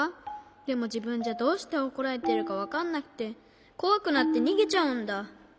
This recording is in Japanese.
でもじぶんじゃどうしておこられてるかわかんなくてこわくなってにげちゃうんだ。